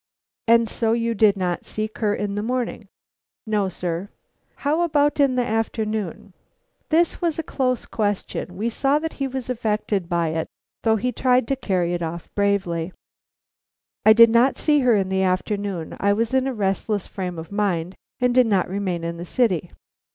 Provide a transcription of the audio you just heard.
"And so you did not seek her in the morning?" "No, sir." "How about the afternoon?" This was a close question; we saw that he was affected by it though he tried to carry it off bravely. "I did not see her in the afternoon. I was in a restless frame of mind, and did not remain in the city."